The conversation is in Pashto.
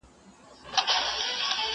چي راضي مُلا چرګک او خپل پاچا کړي